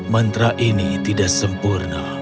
mentera ini tidak sempurna